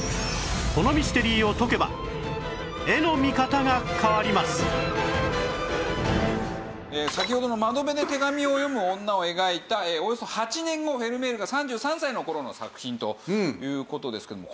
この先ほどの『窓辺で手紙を読む女』を描いたおよそ８年後フェルメールが３３歳の頃の作品という事ですけども。